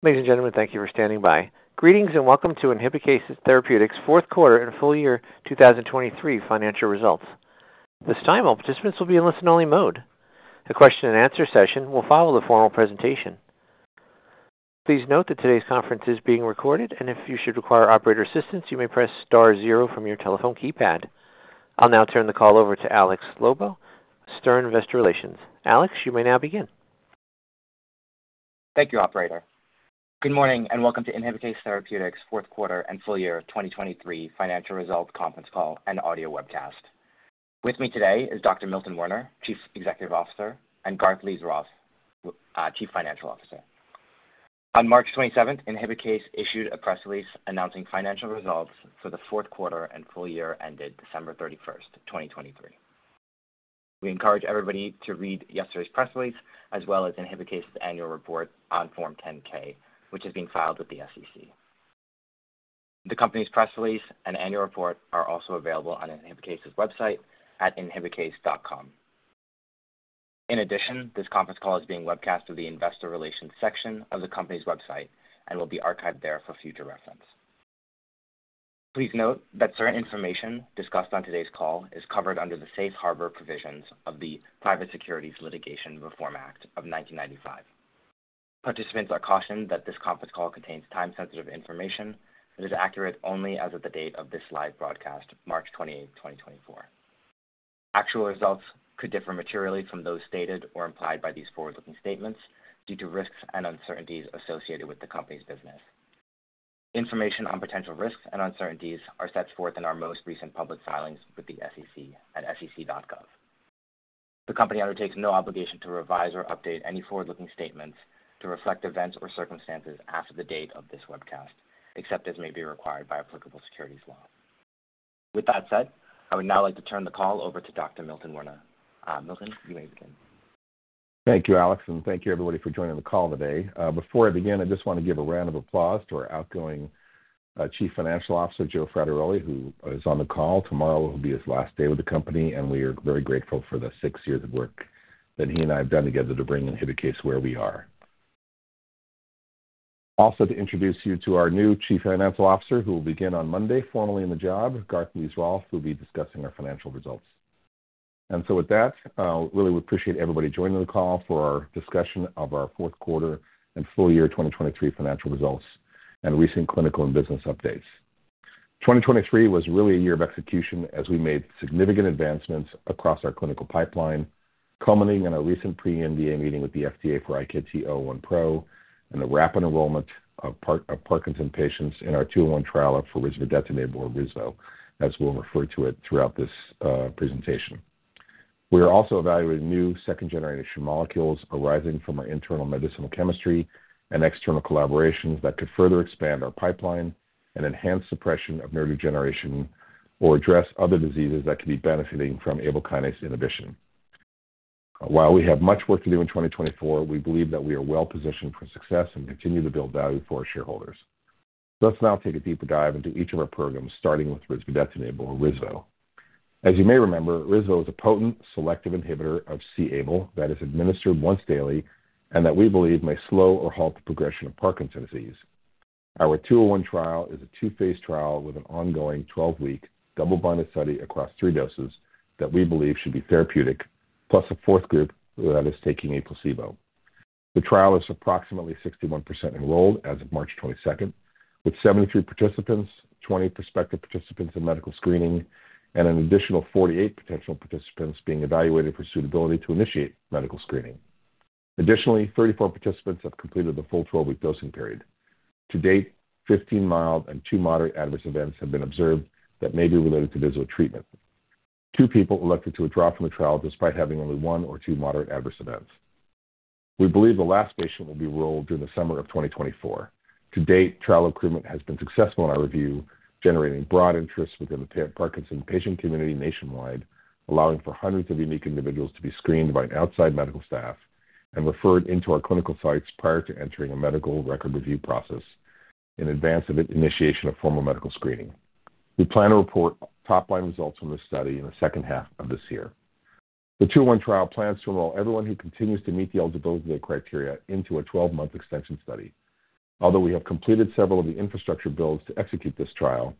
Ladies and gentlemen, thank you for standing by. Greetings and welcome to Inhibikase Therapeutics' fourth quarter and full year 2023 financial results. This time all participants will be in listen-only mode. A question-and-answer session will follow the formal presentation. Please note that today's conference is being recorded and if you should require operator assistance you may press *0 from your telephone keypad. I'll now turn the call over to Alex Lobo, Stern Investor Relations. Alex, you may now begin. Thank you, operator. Good morning and welcome to Inhibikase Therapeutics' fourth quarter and full year 2023 financial results conference call and audio webcast. With me today is Dr. Milton Werner, Chief Executive Officer, and Garth Lees-Rolfe, Chief Financial Officer. On March 27th, Inhibikase issued a press release announcing financial results for the fourth quarter and full year ended December 31st, 2023. We encourage everybody to read yesterday's press release as well as Inhibikase's annual report on Form 10-K, which is being filed with the SEC. The company's press release and annual report are also available on Inhibikase's website at inhibikase.com. In addition, this conference call is being webcast to the Investor Relations section of the company's website and will be archived there for future reference. Please note that certain information discussed on today's call is covered under the Safe Harbor provisions of the Private Securities Litigation Reform Act of 1995. Participants are cautioned that this conference call contains time-sensitive information that is accurate only as of the date of this live broadcast, March 28th, 2024. Actual results could differ materially from those stated or implied by these forward-looking statements due to risks and uncertainties associated with the company's business. Information on potential risks and uncertainties are set forth in our most recent public filings with the SEC at sec.gov. The company undertakes no obligation to revise or update any forward-looking statements to reflect events or circumstances after the date of this webcast, except as may be required by applicable securities law. With that said, I would now like to turn the call over to Dr. Milton Werner. Milton, you may begin. Thank you, Alex, and thank you, everybody, for joining the call today. Before I begin, I just want to give a round of applause to our outgoing Chief Financial Officer, Joe Frattaroli, who is on the call. Tomorrow will be his last day with the company, and we are very grateful for the six years of work that he and I have done together to bring Inhibikase where we are. Also to introduce you to our new Chief Financial Officer, who will begin on Monday formally in the job, Garth Lees-Rolfe, who will be discussing our financial results. And so with that, really would appreciate everybody joining the call for our discussion of our fourth quarter and full year 2023 financial results and recent clinical and business updates. 2023 was really a year of execution as we made significant advancements across our clinical pipeline, culminating in a recent pre-NDA meeting with the FDA for IkT-001Pro and the rapid enrollment of a cohort of Parkinson's patients in our 201 Trial for Risvodetinib or RISVO, as we'll refer to it throughout this presentation. We are also evaluating new second-generation molecules arising from our internal medicinal chemistry and external collaborations that could further expand our pipeline and enhance suppression of neurodegeneration or address other diseases that could be benefiting from c-Abl kinase inhibition. While we have much work to do in 2024, we believe that we are well positioned for success and continue to build value for our shareholders. Let's now take a deeper dive into each of our programs, starting with Risvodetinib or RISVO. As you may remember, RISVO is a potent, selective inhibitor of c-Abl that is administered once daily and that we believe may slow or halt the progression of Parkinson's disease. Our 201 trial is a Phase II trial with an ongoing 12-week double-blinded study across three doses that we believe should be therapeutic, plus a fourth group that is taking a placebo. The trial is approximately 61% enrolled as of March 22nd, with 73 participants, 20 prospective participants in medical screening, and an additional 48 potential participants being evaluated for suitability to initiate medical screening. Additionally, 34 participants have completed the full 12-week dosing period. To date, 15 mild and two moderate adverse events have been observed that may be related to visual treatment. Two people elected to withdraw from the trial despite having only one or two moderate adverse events. We believe the last patient will be enrolled during the summer of 2024. To date, trial recruitment has been successful in our review, generating broad interest within the Parkinson's patient community nationwide, allowing for hundreds of unique individuals to be screened by an outside medical staff and referred into our clinical sites prior to entering a medical record review process in advance of initiation of formal medical screening. We plan to report top-line results from this study in the second half of this year. The 201 trial plans to enroll everyone who continues to meet the eligibility criteria into a 12-month extension study. Although we have completed several of the infrastructure builds to execute this trial,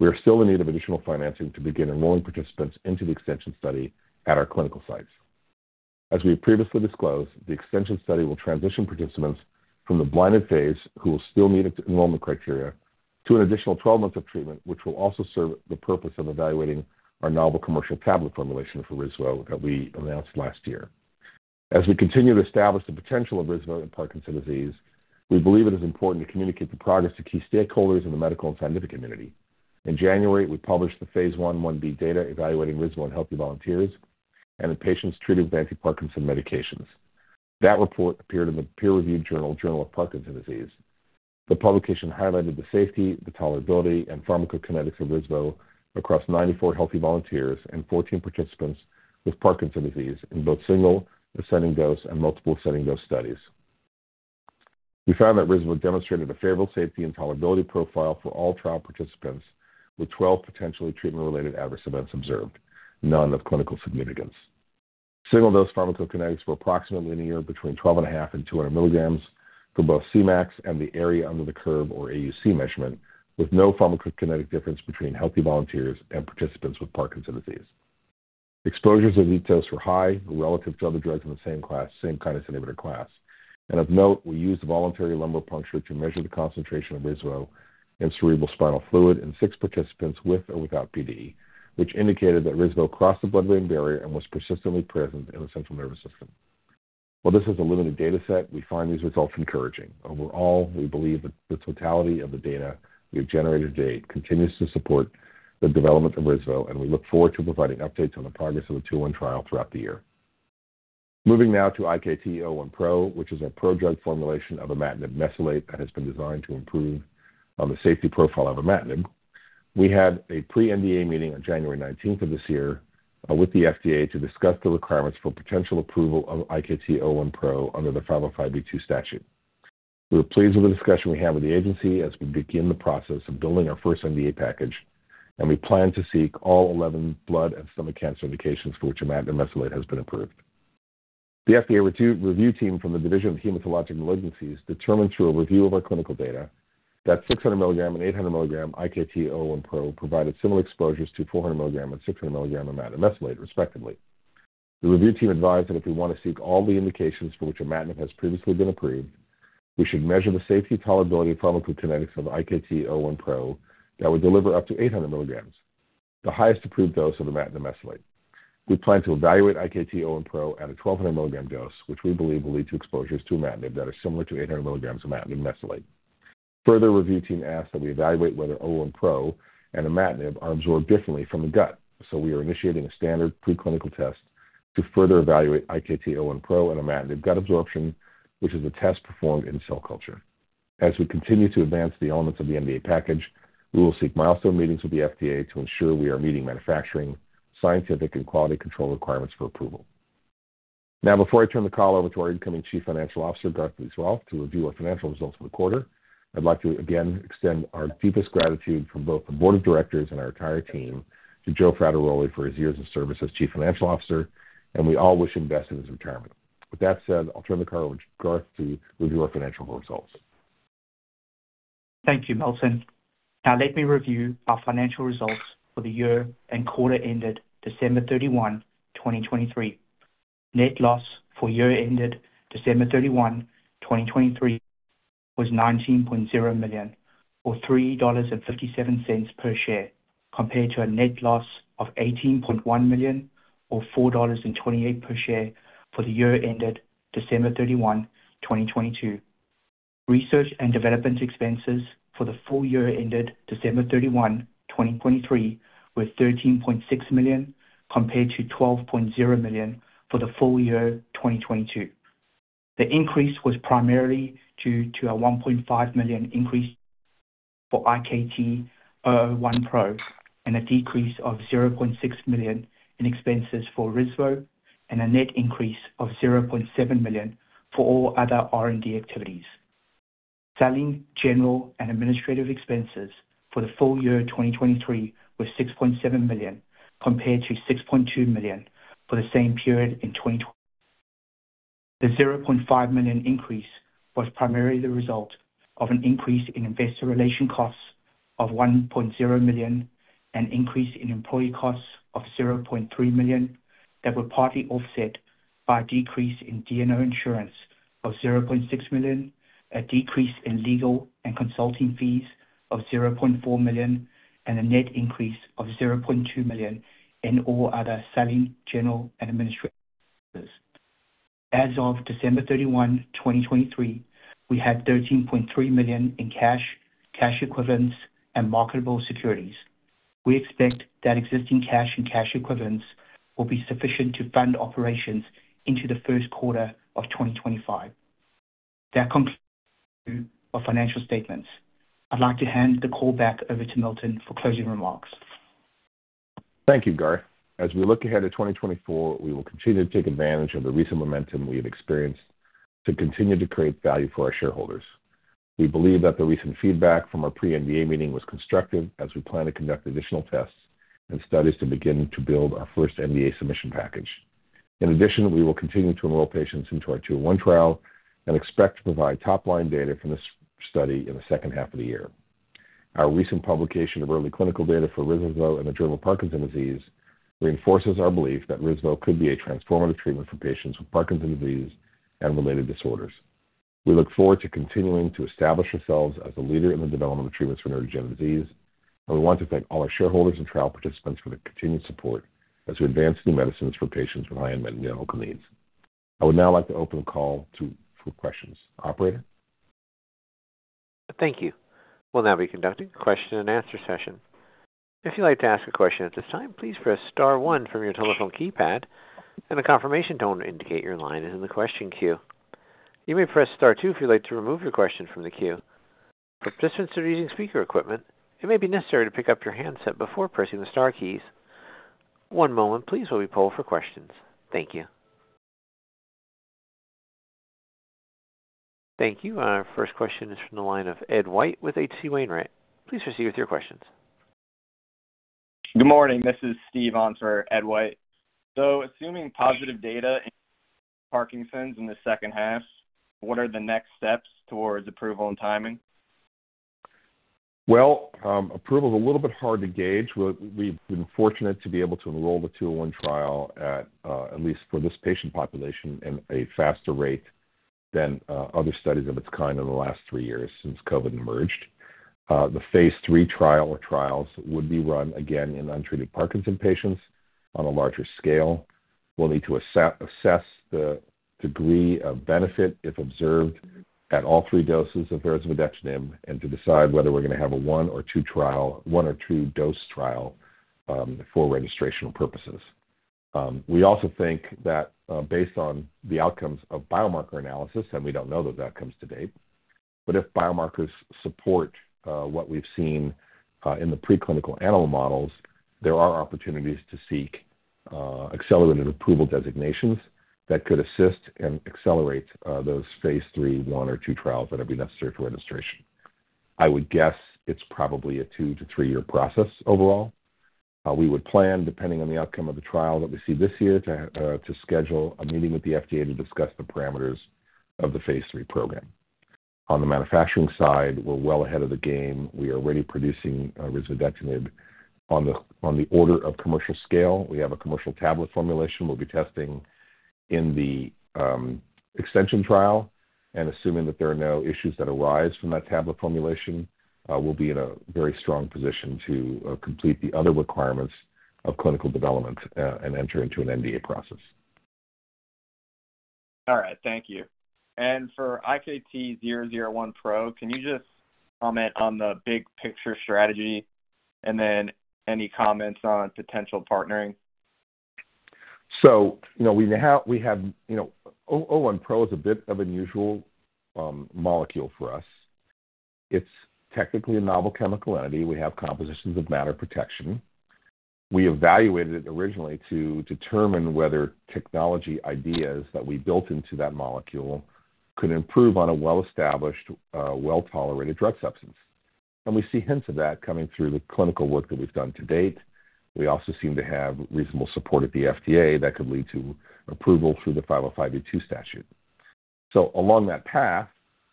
we are still in need of additional financing to begin enrolling participants into the extension study at our clinical sites. As we have previously disclosed, the extension study will transition participants from the blinded phase, who will still meet enrollment criteria, to an additional 12 months of treatment, which will also serve the purpose of evaluating our novel commercial tablet formulation for RISVO that we announced last year. As we continue to establish the potential of RISVO in Parkinson's disease, we believe it is important to communicate the progress to key stakeholders in the medical and scientific community. In January, we published the Phase 1/1b data evaluating RISVO in healthy volunteers and in patients treated with anti-Parkinson's medications. That report appeared in the peer-reviewed journal Journal of Parkinson's Disease. The publication highlighted the safety, the tolerability, and pharmacokinetics of RISVO across 94 healthy volunteers and 14 participants with Parkinson's disease in both single ascending dose and multiple ascending dose studies. We found that RISVO demonstrated a favorable safety and tolerability profile for all trial participants, with 12 potentially treatment-related adverse events observed, none of clinical significance. Single-dose pharmacokinetics were approximately linear between 12.5 and 200mg for both CMAX and the area under the curve, or AUC, measurement, with no pharmacokinetic difference between healthy volunteers and participants with Parkinson's disease. Exposures to these doses were high relative to other drugs in the same class, same kinase inhibitor class. Of note, we used voluntary lumbar puncture to measure the concentration of RISVO in cerebrospinal fluid in six participants with or without PD, which indicated that RISVO crossed the blood-brain barrier and was persistently present in the central nervous system. While this is a limited data set, we find these results encouraging. Overall, we believe that the totality of the data we have generated to date continues to support the development of RISVO, and we look forward to providing updates on the progress of the 201 trial throughout the year. Moving now to IkT-001Pro, which is our prodrug formulation of imatinib mesylate that has been designed to improve on the safety profile of imatinib. We had a pre-NDA meeting on January 19th of this year, with the FDA to discuss the requirements for potential approval of IkT-001Pro under the 505(b)(2) statute. We were pleased with the discussion we had with the agency as we begin the process of building our first NDA package, and we plan to seek all 11 blood and stomach cancer indications for which imatinib mesylate has been approved. The FDA review team from the Division of Hematologic Malignancies determined through a review of our clinical data that 600 mg and 800 mg IkT-001Pro provided similar exposures to 400 mg and 600 mg of imatinib mesylate, respectively. The review team advised that if we want to seek all the indications for which imatinib has previously been approved, we should measure the safety, tolerability, and pharmacokinetics of IkT-001Pro that would deliver up to 800 mg, the highest approved dose of imatinib mesylate. We plan to evaluate IkT-001Pro at a 1,200 mg dose, which we believe will lead to exposures to imatinib that are similar to 800 mg of imatinib mesylate. Further, the review team asked that we evaluate whether IkT-001Pro and imatinib are absorbed differently from the gut, so we are initiating a standard preclinical test to further evaluate IkT-001Pro and imatinib gut absorption, which is a test performed in cell culture. As we continue to advance the elements of the NDA package, we will seek milestone meetings with the FDA to ensure we are meeting manufacturing, scientific, and quality control requirements for approval. Now, before I turn the call over to our incoming Chief Financial Officer, Garth Lees-Rolfe, to review our financial results for the quarter, I'd like to again extend our deepest gratitude from both the board of directors and our entire team to Joe Frattaroli for his years of service as Chief Financial Officer, and we all wish him best in his retirement. With that said, I'll turn the call over to Garth to review our financial results. Thank you, Milton. Now, let me review our financial results for the year and quarter ended December 31, 2023. Net loss for year ended December 31, 2023 was $19.0 million, or $3.57 per share, compared to a net loss of $18.1 million, or $4.28 per share, for the year ended December 31, 2022. Research and development expenses for the full year ended December 31, 2023 were $13.6 million, compared to $12.0 million for the full year 2022. The increase was primarily due to a $1.5 million increase for IkT-001Pro and a decrease of $0.6 million in expenses for RISVO and a net increase of $0.7 million for all other R&D activities. Selling, general, and administrative expenses for the full year 2023 were $6.7 million, compared to $6.2 million for the same period in 2020. The $0.5 million increase was primarily the result of an increase in investor relations costs of $1.0 million and an increase in employee costs of $0.3 million that were partly offset by a decrease in D&O insurance of $0.6 million, a decrease in legal and consulting fees of $0.4 million, and a net increase of $0.2 million in all other selling, general, and administrative expenses. As of December 31, 2023, we had $13.3 million in cash, cash equivalents, and marketable securities. We expect that existing cash and cash equivalents will be sufficient to fund operations into the first quarter of 2025. That concludes our financial statements. I'd like to hand the call back over to Milton for closing remarks. Thank you, Garth. As we look ahead to 2024, we will continue to take advantage of the recent momentum we have experienced to continue to create value for our shareholders. We believe that the recent feedback from our pre-NDA meeting was constructive as we plan to conduct additional tests and studies to begin to build our first NDA submission package. In addition, we will continue to enroll patients into our 201 Trial and expect to provide top-line data from this study in the second half of the year. Our recent publication of early clinical data for RISVO in the Journal of Parkinson's Disease reinforces our belief that RISVO could be a transformative treatment for patients with Parkinson's disease and related disorders. We look forward to continuing to establish ourselves as a leader in the development of treatments for neurodegenerative disease, and we want to thank all our shareholders and trial participants for their continued support as we advance new medicines for patients with high unmet medical needs. I would now like to open the call for questions. Operator? Thank you. We'll now be conducting a question-and-answer session. If you'd like to ask a question at this time, please press star one from your telephone keypad, and the confirmation tone will indicate your line is in the question queue. You may press star two if you'd like to remove your question from the queue. For participants who are using speaker equipment, it may be necessary to pick up your handset before pressing the star keys. One moment, please, while we poll for questions. Thank you. Thank you. Our first question is from the line of Ed White with H.C. Wainwright. Please proceed with your questions. Good morning. This is Steve on for, Ed White. Assuming positive data in Parkinson's in the second half, what are the next steps towards approval and timing? Well, approval's a little bit hard to gauge. We've been fortunate to be able to enroll the 201 trial at least for this patient population in a faster rate than other studies of its kind in the last three years since COVID emerged. The phase III trial or trials would be run again in untreated Parkinson's patients on a larger scale. We'll need to assess the degree of benefit if observed at all three doses of risvodetinib and to decide whether we're going to have a one or two trial one or two dose trial, for registration purposes. We also think that, based on the outcomes of biomarker analysis and we don't know those outcomes to date but if biomarkers support what we've seen in the preclinical animal models, there are opportunities to seek accelerated approval designations that could assist and accelerate those phase III, I, or II trials that would be necessary for registration. I would guess it's probably a 2- to 3-year process overall. We would plan, depending on the outcome of the trial that we see this year, to schedule a meeting with the FDA to discuss the parameters of the phase III program. On the manufacturing side, we're well ahead of the game. We are already producing risvodetinib on the order of commercial scale. We have a commercial tablet formulation we'll be testing in the extension trial. Assuming that there are no issues that arise from that tablet formulation, we'll be in a very strong position to complete the other requirements of clinical development, and enter into an NDA process. All right. Thank you. And for IkT-001Pro, can you just comment on the big-picture strategy and then any comments on potential partnering? So, you know, we now have, you know, IkT-001Pro is a bit of an unusual molecule for us. It's technically a novel chemical entity. We have compositions of matter protection. We evaluated it originally to determine whether technology ideas that we built into that molecule could improve on a well-established, well-tolerated drug substance. We see hints of that coming through the clinical work that we've done to date. We also seem to have reasonable support at the FDA that could lead to approval through the 505(b)(2) statute. Along that path,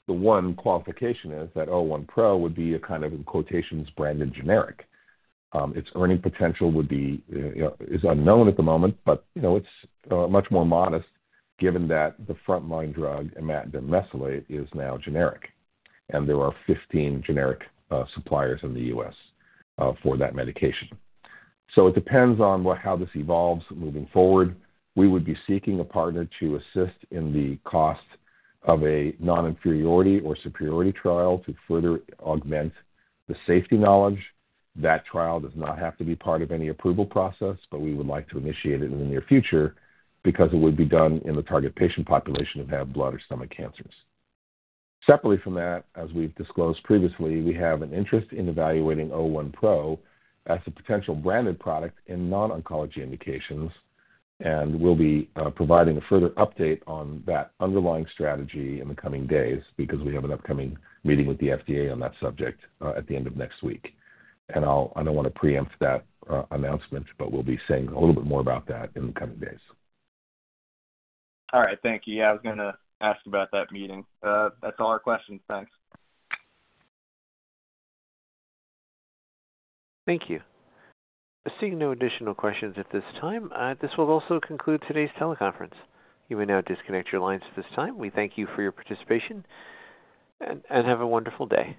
the one qualification is that IkT-001Pro would be a kind of, in quotations, branded generic. Its earning potential would be, you know, is unknown at the moment, but, you know, it's, much more modest given that the frontline drug, imatinib mesylate, is now generic, and there are 15 generic suppliers in the U.S. for that medication. So it depends on what how this evolves moving forward. We would be seeking a partner to assist in the cost of a non-inferiority or superiority trial to further augment the safety knowledge. That trial does not have to be part of any approval process, but we would like to initiate it in the near future because it would be done in the target patient population who have blood or stomach cancers. Separately from that, as we've disclosed previously, we have an interest in evaluating 001 Pro as a potential branded product in non-oncology indications, and we'll be providing a further update on that underlying strategy in the coming days because we have an upcoming meeting with the FDA on that subject at the end of next week. And I don't want to preempt that announcement, but we'll be saying a little bit more about that in the coming days. All right. Thank you. Yeah, I was going to ask about that meeting. That's all our questions. Thanks. Thank you. Seeing no additional questions at this time, this will also conclude today's teleconference. You may now disconnect your lines at this time. We thank you for your participation and have a wonderful day.